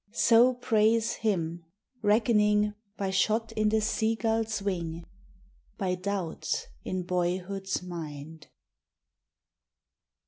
So praise him, reckoning By shot in the sea gull's wing, By doubts in boyhood's mind.